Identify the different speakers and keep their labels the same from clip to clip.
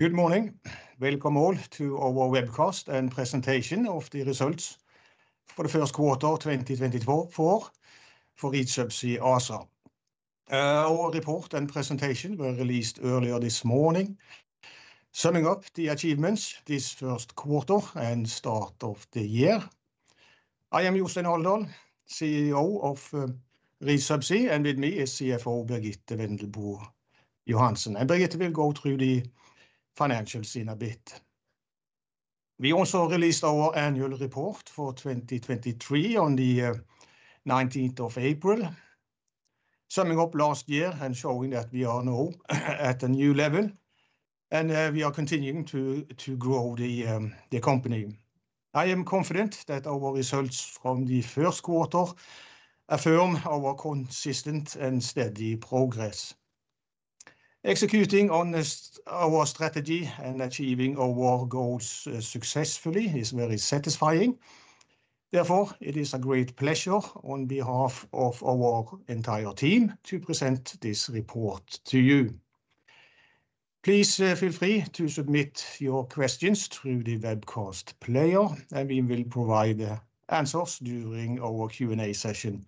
Speaker 1: Good morning. Welcome all to our webcast and presentation of the results for the first quarter of 2024 for Reach Subsea ASA. Our report and presentation were released earlier this morning, summing up the achievements this first quarter and start of the year. I am Jostein Alendal, CEO of Reach Subsea, and with me is CFO Birgitte Wendelbo Johansen. Birgitte will go through the financials in a bit. We also released our annual report for 2023 on the 19th of April, summing up last year and showing that we are now at a new level, and we are continuing to grow the company. I am confident that our results from the first quarter affirm our consistent and steady progress. Executing on our strategy and achieving our goals successfully is very satisfying. Therefore, it is a great pleasure on behalf of our entire team to present this report to you. Please feel free to submit your questions through the webcast player, and we will provide answers during our Q&A session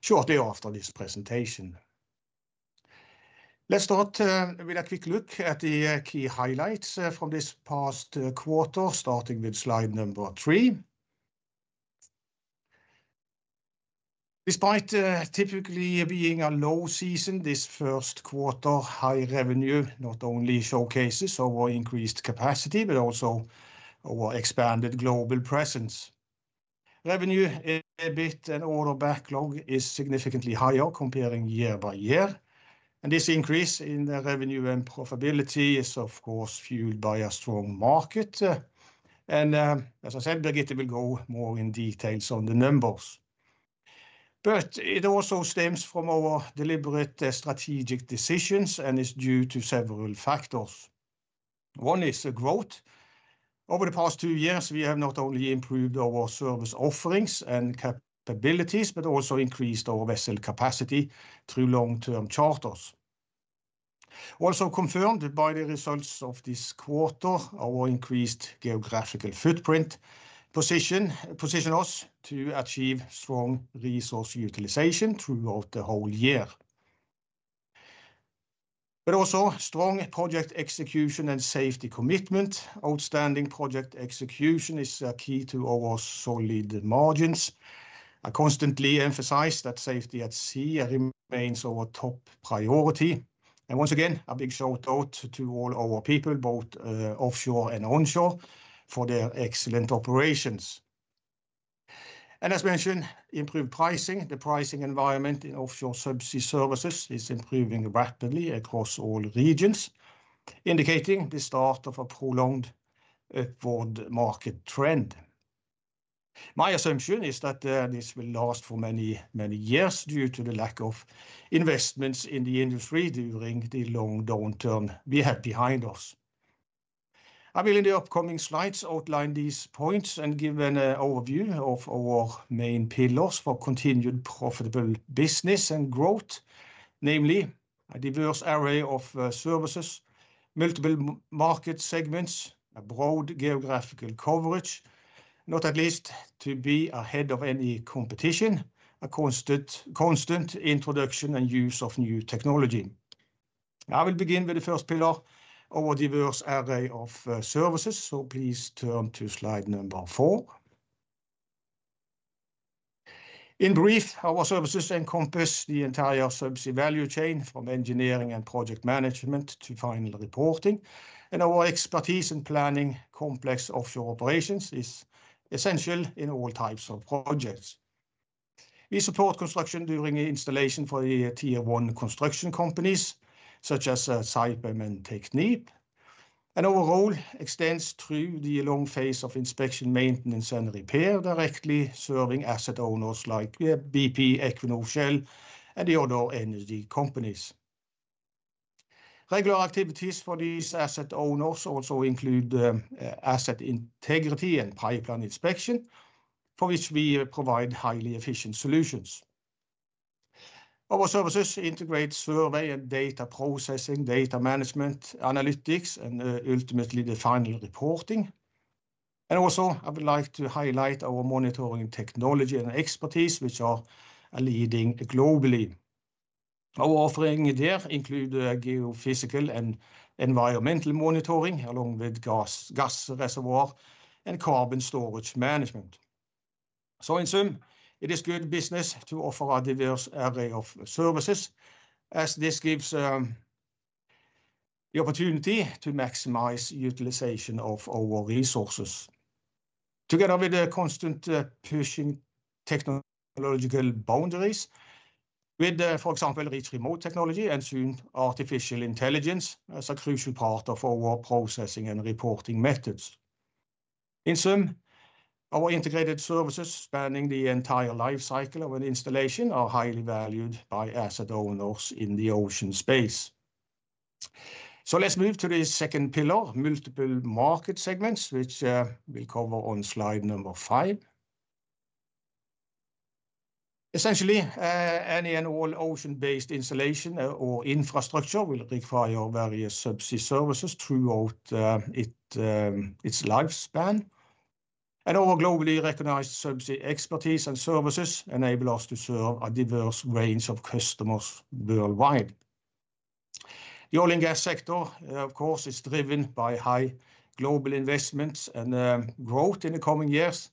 Speaker 1: shortly after this presentation. Let's start with a quick look at the key highlights from this past quarter, starting with slide number three. Despite typically being a low season, this first quarter high revenue not only showcases our increased capacity but also our expanded global presence. Revenue, EBITDA and order backlog is significantly higher comparing year by year, and this increase in revenue and profitability is, of course, fueled by a strong market. As I said, Birgitte will go more in details on the numbers. It also stems from our deliberate strategic decisions and is due to several factors. One is growth. Over the past two years, we have not only improved our service offerings and capabilities but also increased our vessel capacity through long-term charters. Also confirmed by the results of this quarter, our increased geographical footprint position us to achieve strong resource utilization throughout the whole year. Also strong project execution and safety commitment. Outstanding project execution is key to our solid margins. I constantly emphasize that safety at sea remains our top priority. Once again, a big shout-out to all our people, both offshore and onshore, for their excellent operations. As mentioned, improved pricing. The pricing environment in offshore subsea services is improving rapidly across all regions, indicating the start of a prolonged upward market trend. My assumption is that this will last for many, many years due to the lack of investments in the industry during the long downturn we have behind us. I will, in the upcoming slides, outline these points and give an overview of our main pillars for continued profitable business and growth, namely a diverse array of services, multiple market segments, a broad geographical coverage, not least to be ahead of any competition, a constant introduction and use of new technology. I will begin with the first pillar, our diverse array of services, so please turn to slide number four. In brief, our services encompass the entire subsea value chain from engineering and project management to final reporting, and our expertise in planning complex offshore operations is essential in all types of projects. We support construction during installation for the tier one construction companies such as Saipem and TechnipFMC, and our role extends through the long phase of inspection, maintenance, and repair, directly serving asset owners like BP, Equinor, Shell, and the other energy companies. Regular activities for these asset owners also include asset integrity and pipeline inspection, for which we provide highly efficient solutions. Our services integrate survey and data processing, data management, analytics, and ultimately the final reporting. And also, I would like to highlight our monitoring technology and expertise, which are leading globally. Our offering there includes geophysical and environmental monitoring along with gas reservoir and carbon storage management. So in sum, it is good business to offer a diverse array of services as this gives the opportunity to maximize utilization of our resources. Together with the constant pushing technological boundaries with, for example, Reach Remote technology and soon artificial intelligence as a crucial part of our processing and reporting methods. In sum, our integrated services spanning the entire lifecycle of an installation are highly valued by asset owners in the ocean space. So let's move to the second pillar, multiple market segments, which we'll cover on slide number five. Essentially, any and all ocean-based installation or infrastructure will require various subsea services throughout its lifespan. Our globally recognized subsea expertise and services enable us to serve a diverse range of customers worldwide. The oil and gas sector, of course, is driven by high global investments and growth in the coming years.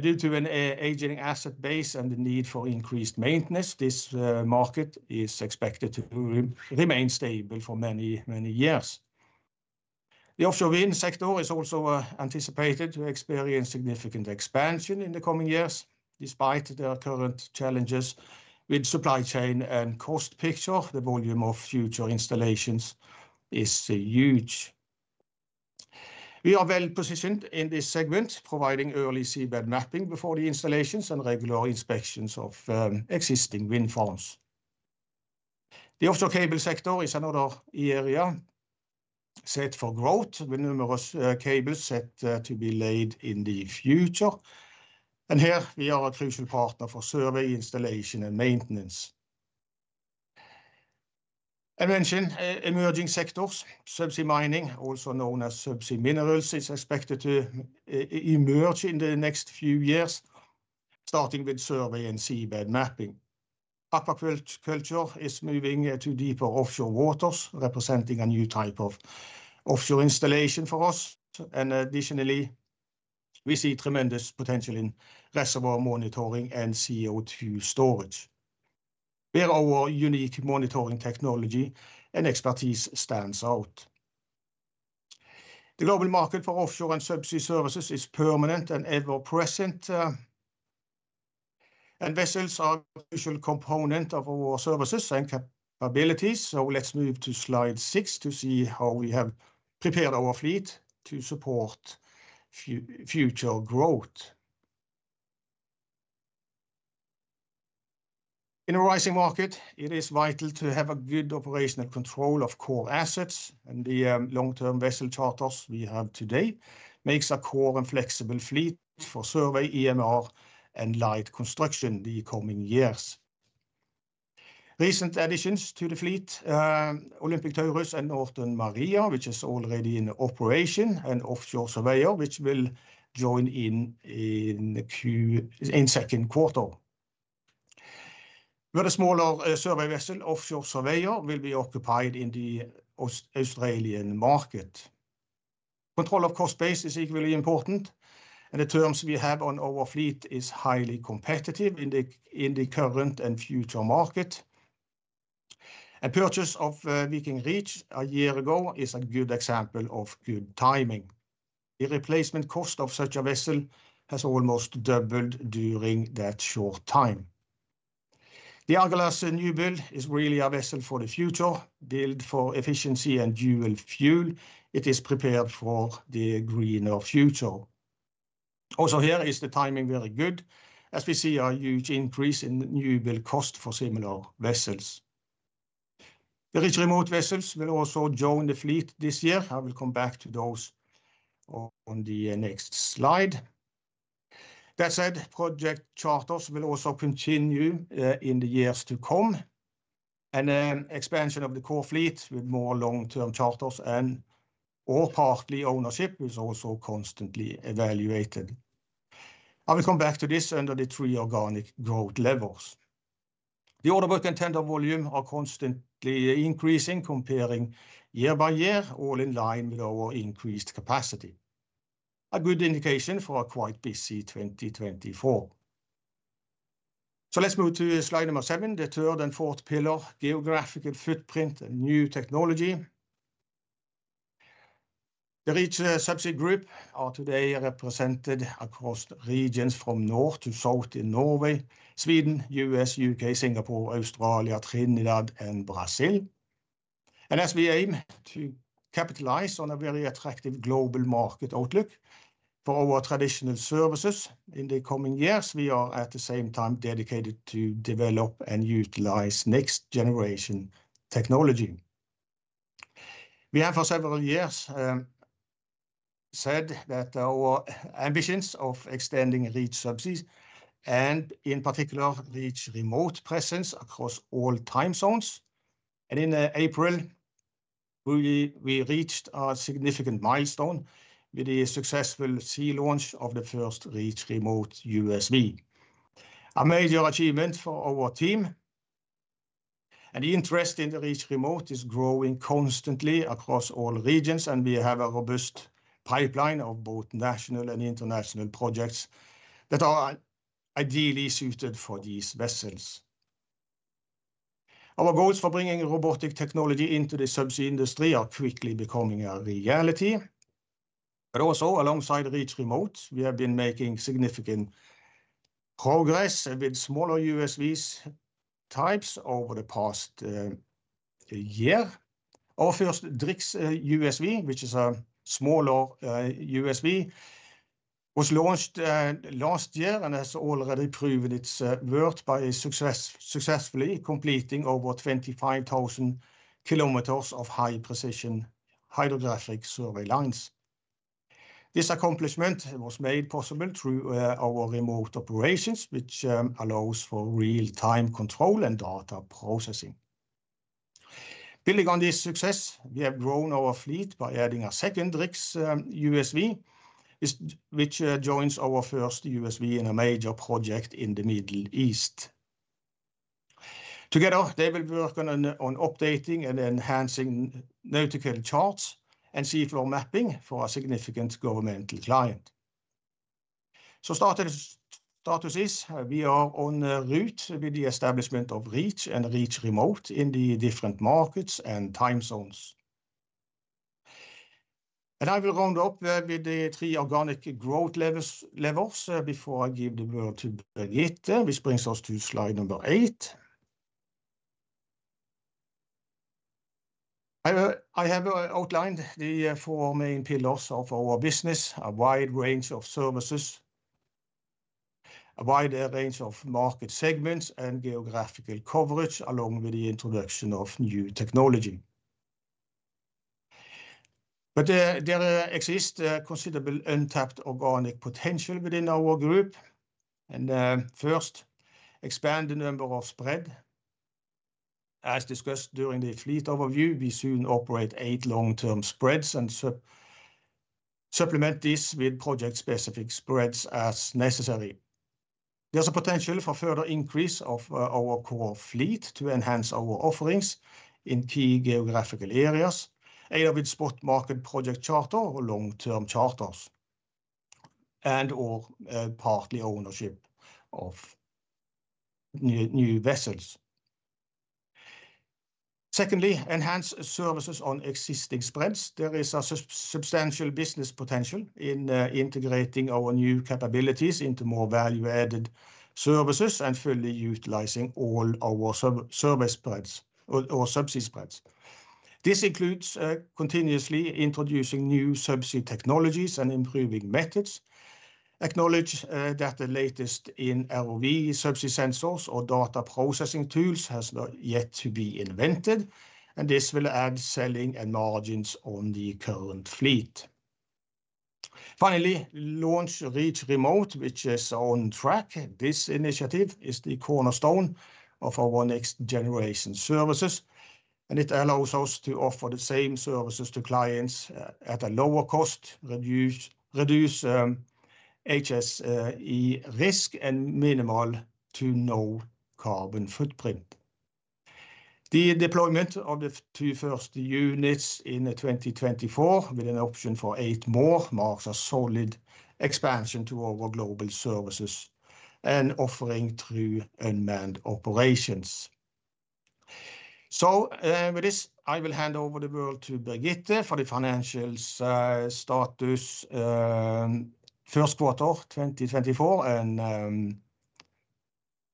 Speaker 1: Due to an aging asset base and the need for increased maintenance, this market is expected to remain stable for many, many years. The offshore wind sector is also anticipated to experience significant expansion in the coming years, despite their current challenges with supply chain and cost picture. The volume of future installations is huge. We are well positioned in this segment, providing early seabed mapping before the installations and regular inspections of existing wind farms. The offshore cable sector is another area set for growth with numerous cables set to be laid in the future. Here we are a crucial partner for survey, installation, and maintenance. Mention emerging sectors. Subsea mining, also known as subsea minerals, is expected to emerge in the next few years, starting with survey and seabed mapping. Aquaculture is moving to deeper offshore waters, representing a new type of offshore installation for us. Additionally, we see tremendous potential in reservoir monitoring and CO2 storage, where our unique monitoring technology and expertise stands out. The global market for offshore and subsea services is permanent and ever-present. Vessels are a crucial component of our services and capabilities. So let's move to slide six to see how we have prepared our fleet to support future growth. In a rising market, it is vital to have a good operational control of core assets. The long-term vessel charters we have today make a core and flexible fleet for survey, IMR, and light construction the coming years. Recent additions to the fleet: Olympic Taurus and Northern Maria, which is already in operation, and Offshore Surveyor, which will join in second quarter. With a smaller survey vessel, Offshore Surveyor, will be occupied in the Australian market. Control of cost base is equally important, and the terms we have on our fleet are highly competitive in the current and future market. A purchase of Viking Reach a year ago is a good example of good timing. The replacement cost of such a vessel has almost doubled during that short time. The Agulhas new build is really a vessel for the future, built for efficiency and dual fuel. It is prepared for the greener future. Also, here is the timing very good, as we see a huge increase in new build cost for similar vessels. The Reach Remote vessels will also join the fleet this year. I will come back to those on the next slide. That said, project charters will also continue in the years to come. Expansion of the core fleet with more long-term charters and/or partly ownership is also constantly evaluated. I will come back to this under the three organic growth levels. The order book and tender volume are constantly increasing comparing year by year, all in line with our increased capacity. A good indication for a quite busy 2024. Let's move to slide number seven, the third and fourth pillar, geographical footprint and new technology. The Reach Subsea group are today represented across regions from north to south in Norway, Sweden, U.S., U.K., Singapore, Australia, Trinidad, and Brazil. As we aim to capitalize on a very attractive global market outlook for our traditional services in the coming years, we are at the same time dedicated to develop and utilize next generation technology. We have for several years said that our ambitions of extending Reach Subsea's and, in particular, Reach Remote presence across all time zones. In April, we reached a significant milestone with the successful sea launch of the first Reach Remote USV. A major achievement for our team. The interest in the Reach Remote is growing constantly across all regions, and we have a robust pipeline of both national and international projects that are ideally suited for these vessels. Our goals for bringing robotic technology into the subsea industry are quickly becoming a reality. But also alongside Reach Remote, we have been making significant progress with smaller USVs types over the past year. Our first DriX USV, which is a smaller USV, was launched last year and has already proven its worth by successfully completing over 25,000 km of high precision hydrographic survey lines. This accomplishment was made possible through our remote operations, which allows for real-time control and data processing. Building on this success, we have grown our fleet by adding a second DriX USV, which joins our first USV in a major project in the Middle East. Together, they will work on updating and enhancing nautical charts and seafloor mapping for a significant governmental client. So status is we are en route with the establishment of Reach and Reach Remote in the different markets and time zones. I will round up with the three organic growth levels before I give the word to Birgitte, which brings us to slide number eight. I have outlined the four main pillars of our business: a wide range of services, a wide range of market segments, and geographical coverage along with the introduction of new technology. But there exists considerable untapped organic potential within our group. First, expand the number of spreads. As discussed during the fleet overview, we soon operate eight long-term spreads and supplement this with project-specific spreads as necessary. There's a potential for further increase of our core fleet to enhance our offerings in key geographical areas, either with spot market project charter or long-term charters and/or partial ownership of new vessels. Secondly, enhance services on existing spreads. There is a substantial business potential in integrating our new capabilities into more value-added services and fully utilizing all our survey spreads or subsea spreads. This includes continuously introducing new subsea technologies and improving methods. Acknowledge that the latest in ROV subsea sensors or data processing tools has yet to be invented, and this will add selling and margins on the current fleet. Finally, launch Reach Remote, which is on track. This initiative is the cornerstone of our next generation services. It allows us to offer the same services to clients at a lower cost, reduce HSE risk, and minimal to no carbon footprint. The deployment of the two first units in 2024 with an option for eight more marks a solid expansion to our global services and offering through unmanned operations. With this, I will hand over the word to Birgitte for the financials status, first quarter 2024.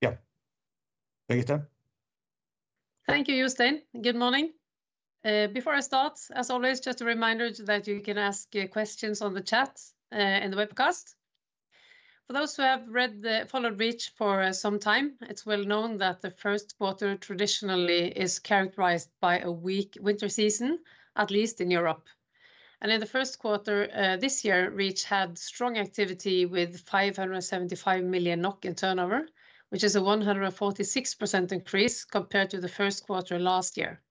Speaker 1: Yeah, Birgitte.
Speaker 2: Thank you, Jostein. Good morning. Before I start, as always, just a reminder that you can ask questions on the chat and the webcast. For those who have followed Reach for some time, it's well known that the first quarter traditionally is characterized by a weak winter season, at least in Europe. And in the first quarter this year, Reach had strong activity with 575 million NOK turnover, which is a 146% increase compared to the first quarter last year.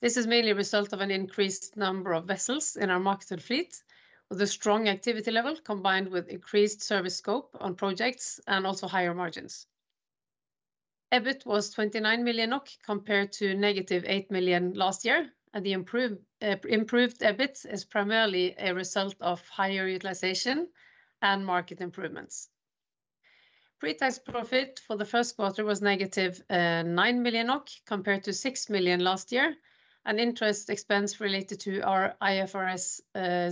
Speaker 2: This is mainly a result of an increased number of vessels in our marketed fleet with a strong activity level combined with increased service scope on projects and also higher margins. EBITDA was 29 million NOK compared to 8 million last year, and the improved EBITDA is primarily a result of higher utilization and market improvements. Pre-tax profit for the first quarter was 9 million compared to 6 million last year. Interest expense related to our IFRS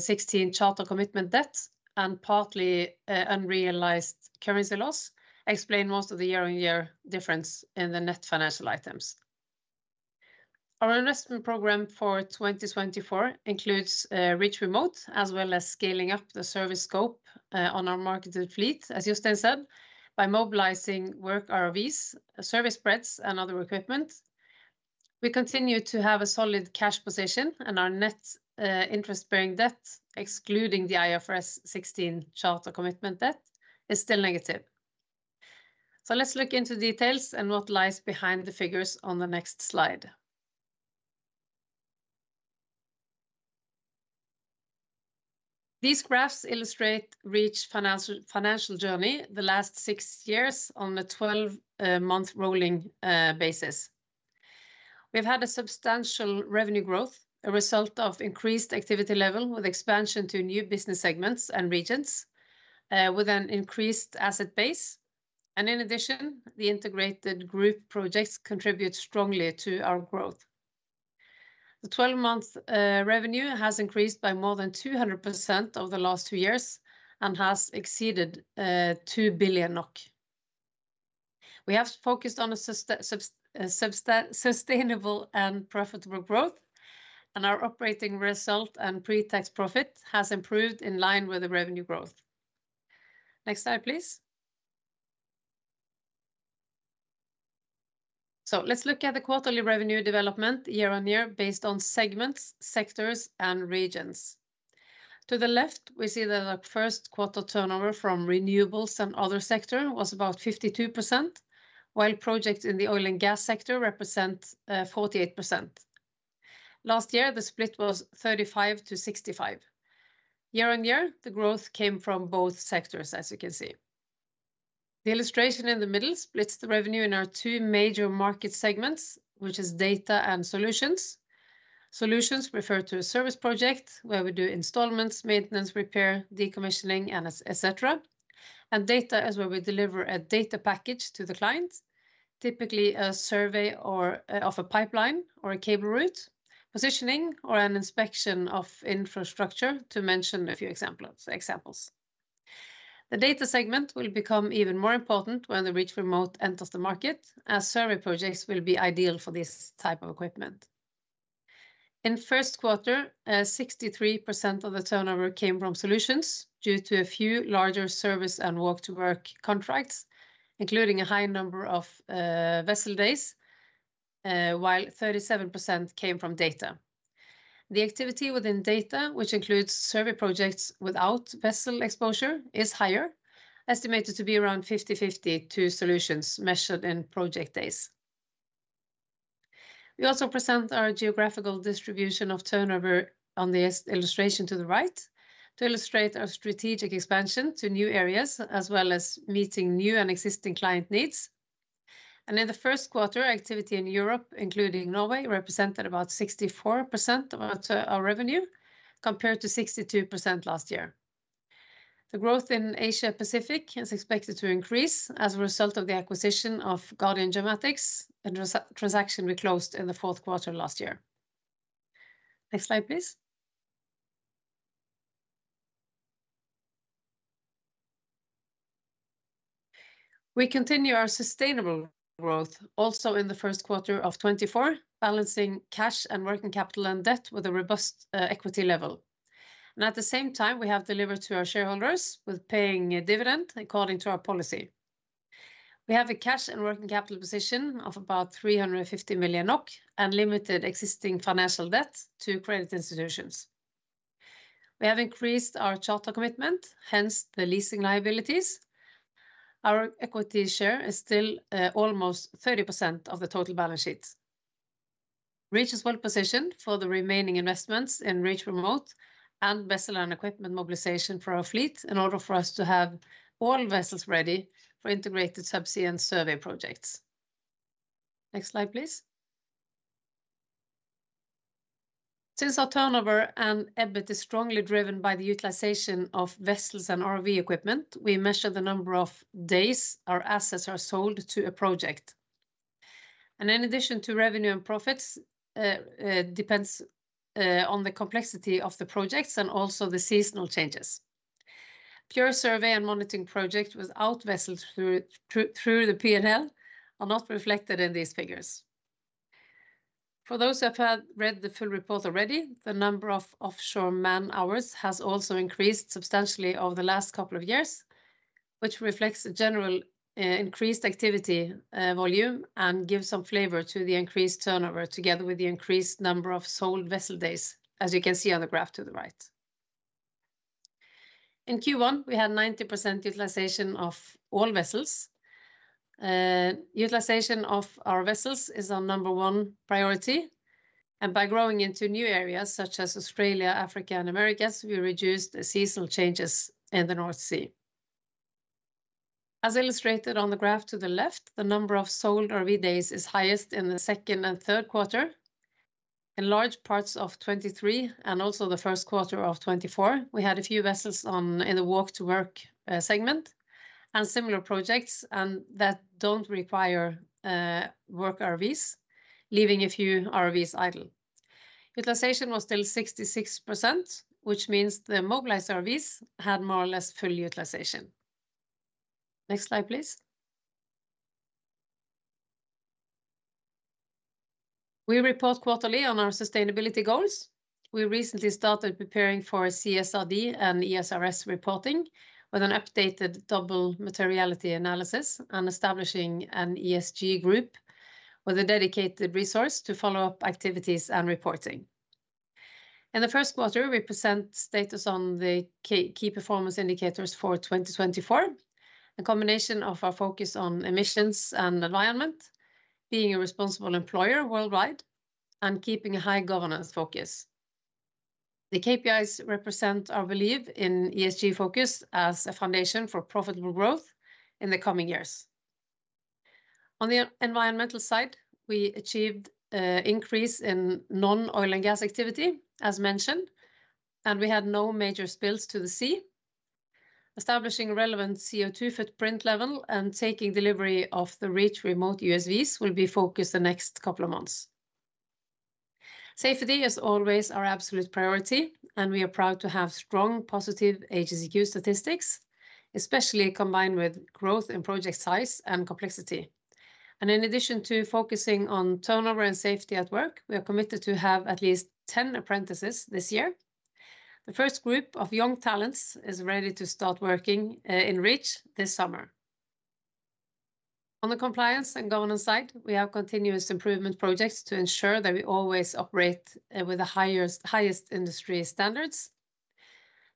Speaker 2: 16 charter commitment debt and partly unrealized currency loss explain most of the year-on-year difference in the net financial items. Our investment program for 2024 includes Reach Remote as well as scaling up the service scope on our marketed fleet, as Jostein said, by mobilizing work ROVs, service spreads, and other equipment. We continue to have a solid cash position, and our net interest-bearing debt, excluding the IFRS 16 charter commitment debt, is still negative. Let's look into details and what lies behind the figures on the next slide. These graphs illustrate Reach's financial journey the last six years on a 12-month rolling basis. We have had a substantial revenue growth, a result of increased activity level with expansion to new business segments and regions with an increased asset base. In addition, the integrated group projects contribute strongly to our growth. The 12-month revenue has increased by more than 200% over the last two years and has exceeded 2 billion NOK. We have focused on sustainable and profitable growth, and our operating result and pre-tax profit has improved in line with the revenue growth. Next slide, please. So let's look at the quarterly revenue development year-on-year based on segments, sectors, and regions. To the left, we see that our first quarter turnover from renewables and other sectors was about 52%, while projects in the oil and gas sector represent 48%. Last year, the split was 35%-65%. Year-on-year, the growth came from both sectors, as you can see. The illustration in the middle splits the revenue in our two major market segments, which is data and solutions. Solutions refer to a service project where we do installation, maintenance, repair, decommissioning, etc. And data is where we deliver a data package to the client, typically a survey of a pipeline or a cable route, positioning, or an inspection of infrastructure, to mention a few examples. The data segment will become even more important when the Reach Remote enters the market, as survey projects will be ideal for this type of equipment. In first quarter, 63% of the turnover came from solutions due to a few larger service and Walk-to-work contracts, including a high number of vessel days, while 37% came from data. The activity within data, which includes survey projects without vessel exposure, is higher, estimated to be around 50/50 to solutions measured in project days. We also present our geographical distribution of turnover on the illustration to the right to illustrate our strategic expansion to new areas, as well as meeting new and existing client needs. In the first quarter, activity in Europe, including Norway, represented about 64% of our revenue compared to 62% last year. The growth in Asia-Pacific is expected to increase as a result of the acquisition of Guardian Geomatics, a transaction we closed in the fourth quarter last year. Next slide, please. We continue our sustainable growth also in the first quarter of 2024, balancing cash and working capital and debt with a robust equity level. At the same time, we have delivered to our shareholders with paying a dividend according to our policy. We have a cash and working capital position of about 350 million NOK and limited existing financial debt to credit institutions. We have increased our charter commitment, hence the leasing liabilities. Our equity share is still almost 30% of the total balance sheet. Reach is well positioned for the remaining investments in Reach Remote and vessel and equipment mobilization for our fleet in order for us to have all vessels ready for integrated subsea and survey projects. Next slide, please. Since our turnover and EBITDA is strongly driven by the utilization of vessels and ROV equipment, we measure the number of days our assets are sold to a project. And in addition to revenue and profits, it depends on the complexity of the projects and also the seasonal changes. Pure survey and monitoring projects without vessels through the P&L are not reflected in these figures. For those who have read the full report already, the number of offshore man-hours has also increased substantially over the last couple of years, which reflects a general increased activity volume and gives some flavor to the increased turnover together with the increased number of sold vessel days, as you can see on the graph to the right. In Q1, we had 90% utilization of all vessels. Utilization of our vessels is our number one priority. By growing into new areas such as Australia, Africa, and Americas, we reduced seasonal changes in the North Sea. As illustrated on the graph to the left, the number of sold ROV days is highest in the second and third quarter. In large parts of 2023 and also the first quarter of 2024, we had a few vessels in the Walk-to-work segment and similar projects that don't require work ROVs, leaving a few ROVs idle. Utilization was still 66%, which means the mobilized ROVs had more or less full utilization. Next slide, please. We report quarterly on our sustainability goals. We recently started preparing for CSRD and ESRS reporting with an updated double materiality analysis and establishing an ESG group with a dedicated resource to follow up activities and reporting. In the first quarter, we present status on the key performance indicators for 2024, a combination of our focus on emissions and environment, being a responsible employer worldwide, and keeping a high governance focus. The KPIs represent our belief in ESG focus as a foundation for profitable growth in the coming years. On the environmental side, we achieved an increase in non-oil and gas activity, as mentioned, and we had no major spills to the sea. Establishing a relevant CO2 footprint level and taking delivery of the Reach Remote USVs will be focused the next couple of months. Safety, as always, is our absolute priority, and we are proud to have strong, positive HSEQ statistics, especially combined with growth in project size and complexity. In addition to focusing on turnover and safety at work, we are committed to have at least 10 apprentices this year. The first group of young talents is ready to start working in Reach this summer. On the compliance and governance side, we have continuous improvement projects to ensure that we always operate with the highest industry standards.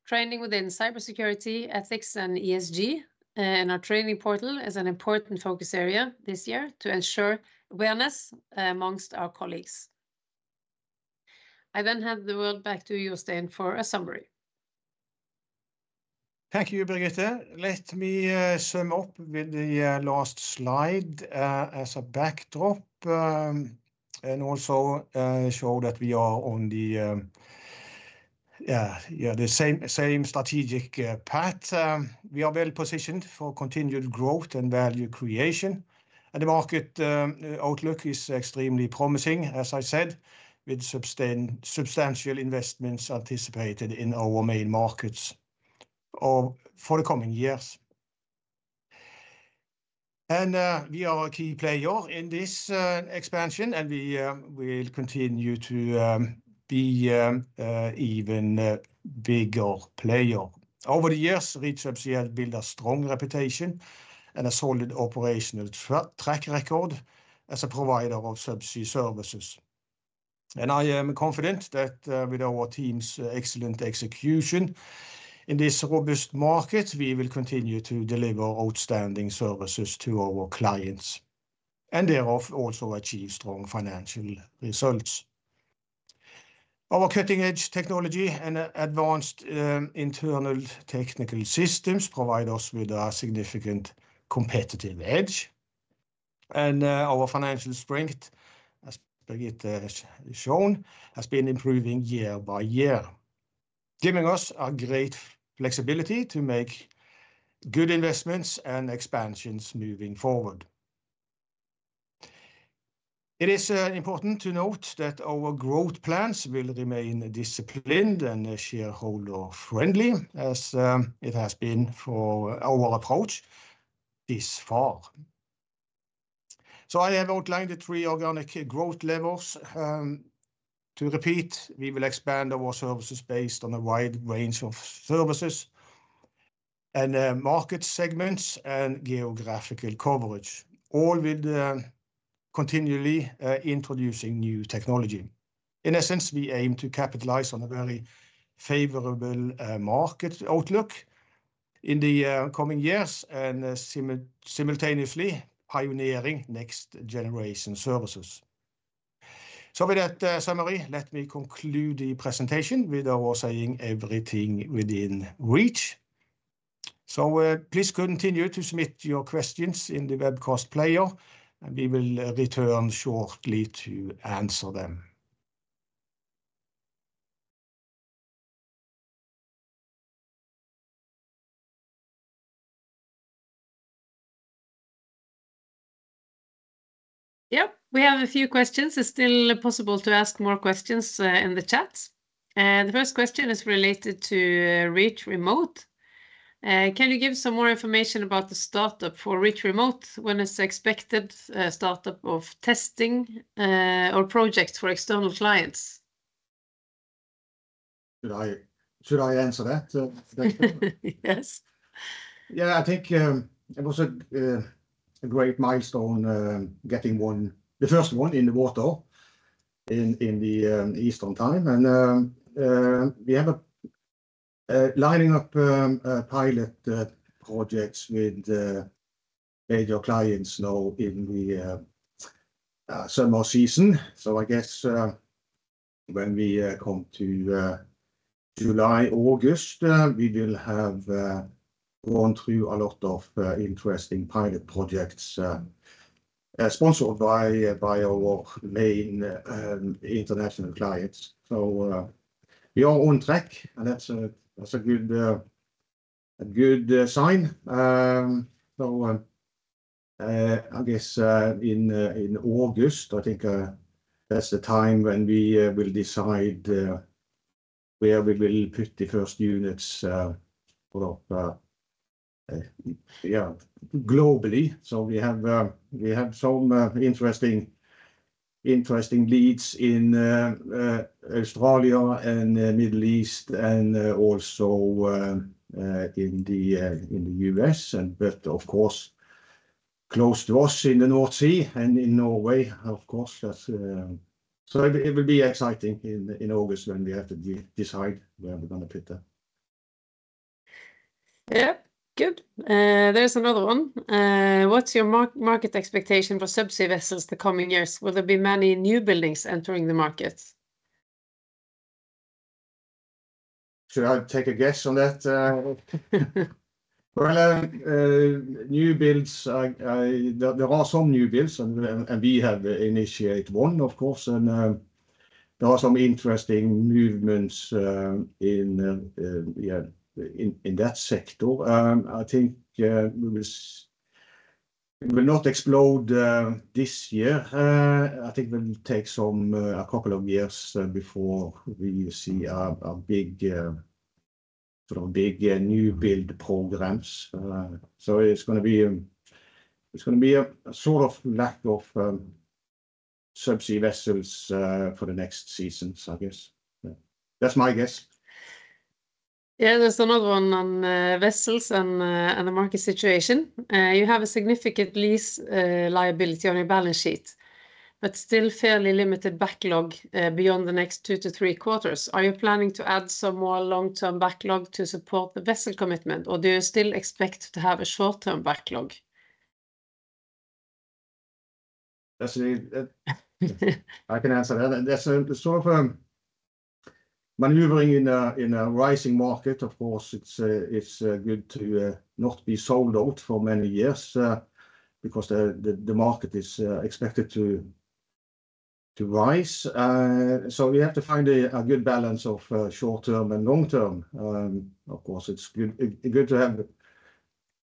Speaker 2: Training within cybersecurity, ethics, and ESG in our training portal is an important focus area this year to ensure awareness among our colleagues. I then hand the word back to Jostein for a summary.
Speaker 1: Thank you, Birgitte. Let me sum up with the last slide as a backdrop and also show that we are on the same strategic path. We are well positioned for continued growth and value creation. The market outlook is extremely promising, as I said, with substantial investments anticipated in our main markets for the coming years. We are a key player in this expansion, and we will continue to be an even bigger player. Over the years, Reach Subsea has built a strong reputation and a solid operational track record as a provider of subsea services. I am confident that with our team's excellent execution in this robust market, we will continue to deliver outstanding services to our clients and thereof also achieve strong financial results. Our cutting-edge technology and advanced internal technical systems provide us with a significant competitive edge. Our financial sprint, as Birgitte has shown, has been improving year by year, giving us great flexibility to make good investments and expansions moving forward. It is important to note that our growth plans will remain disciplined and shareholder-friendly, as it has been for our approach thus far. I have outlined the three organic growth levels. To repeat, we will expand our services based on a wide range of services and market segments and geographical coverage, all with continually introducing new technology. In essence, we aim to capitalize on a very favorable market outlook in the coming years and simultaneously pioneering next-generation services. With that summary, let me conclude the presentation with our saying everything within Reach. Please continue to submit your questions in the webcast player, and we will return shortly to answer them.
Speaker 3: Yep, we have a few questions. It's still possible to ask more questions in the chat. The first question is related to Reach Remote. Can you give some more information about the startup for Reach Remote when it's expected startup of testing or projects for external clients?
Speaker 1: Should I answer that?
Speaker 3: Yes.
Speaker 1: Yeah, I think it was a great milestone, getting the first one in the water in the Easter time. And we have lining up pilot projects with major clients now in the summer season. So I guess when we come to July, August, we will have gone through a lot of interesting pilot projects sponsored by our main international clients. So we are on track, and that's a good sign. So I guess in August, I think that's the time when we will decide where we will put the first units globally. So we have some interesting leads in Australia and the Middle East and also in the U.S., but of course close to us in the North Sea and in Norway, of course. So it will be exciting in August when we have to decide where we're going to put that.
Speaker 3: Yep, good. There's another one. What's your market expectation for subsea vessels the coming years? Will there be many new buildings entering the market?
Speaker 1: Should I take a guess on that? Well, new builds, there are some new builds, and we have initiated one, of course. And there are some interesting movements in that sector. I think we will not explode this year. I think we'll take a couple of years before we see a big new build programs. So it's going to be a sort of lack of subsea vessels for the next seasons, I guess. That's my guess.
Speaker 3: Yeah, there's another one on vessels and the market situation. You have a significant lease liability on your balance sheet, but still fairly limited backlog beyond the next two-three quarters. Are you planning to add some more long-term backlog to support the vessel commitment, or do you still expect to have a short-term backlog?
Speaker 1: I can answer that. So for maneuvering in a rising market, of course, it's good to not be sold out for many years because the market is expected to rise. So we have to find a good balance of short-term and long-term. Of course, it's good to have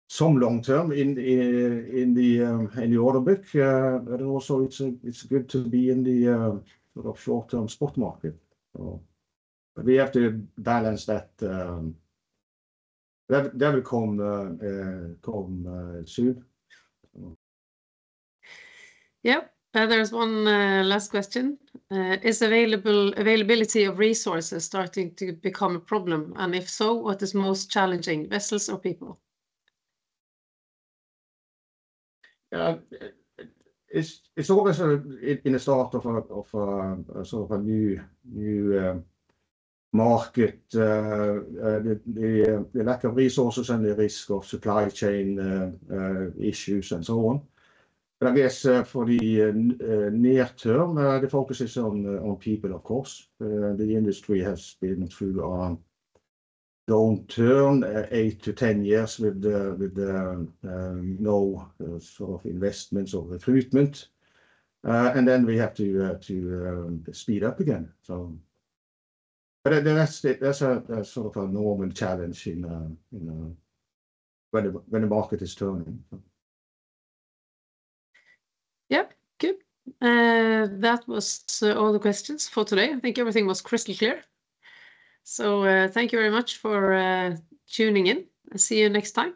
Speaker 1: some long-term in the order book, but also it's good to be in the short-term spot market. But we have to balance that. That will come soon.
Speaker 3: Yep, there's one last question. Is availability of resources starting to become a problem? And if so, what is most challenging, vessels or people?
Speaker 1: It's always in the start of a new market. The lack of resources and the risk of supply chain issues and so on. But I guess for the near-term, the focus is on people, of course. The industry has been through a downturn 8-10 years with no sort of investments or recruitment. And then we have to speed up again. But that's sort of a normal challenge when the market is turning.
Speaker 3: Yep, good. That was all the questions for today. I think everything was crystal clear. Thank you very much for tuning in. I'll see you next time.